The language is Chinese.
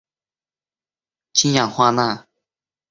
与氢氧化钠反应生成邻苯二甲酸钾钠。